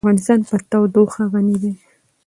افغانستان په تودوخه غني دی.